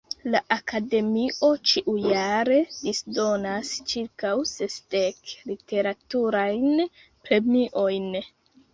La Akademio ĉiujare disdonas ĉirkaŭ sesdek literaturajn premiojn.